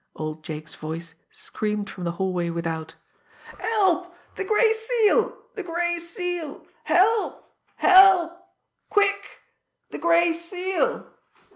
Old Jake's voice screamed from the hallway without: "Help! The Gray Seal! The Gray Seal! Help! Help! Quick! The Gray Seal!"